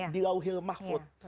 di lau hil makhfud